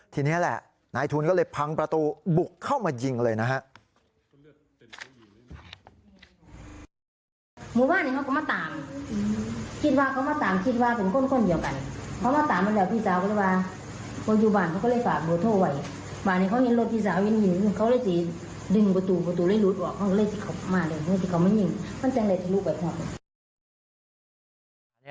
ทีนี้แหละนายทุนก็เลยพังประตูบุกเข้ามายิงเลยนะฮะ